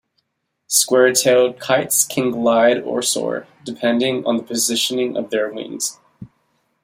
Square-tailed kites can glide or soar, depending on the positioning of their wings.